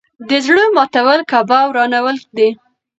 د زړه ماتول کعبه ورانول دي.